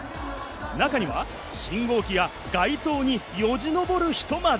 中には信号機や街灯によじ登る人まで。